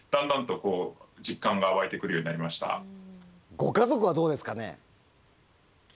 ご家族はどうですかね？